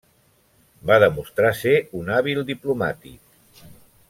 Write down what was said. Va demostrar ser un hàbil diplomàtic.